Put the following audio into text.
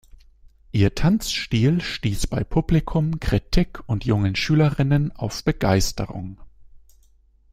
Ihr Tanzstil stieß bei Publikum, Kritik und jungen Schülerinnen auf Begeisterung.